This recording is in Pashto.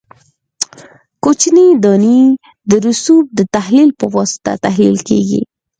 کوچنۍ دانې د رسوب د تحلیل په واسطه تحلیل کیږي